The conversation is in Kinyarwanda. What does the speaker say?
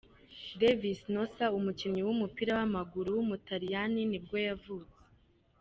Devis Nossa, umukinnyi w’umupira w’amaguru w’umutaliyani nibwo yavutse.